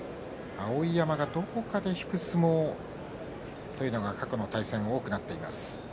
碧山がどこかで引く相撲というのが過去の対戦、多くなっています。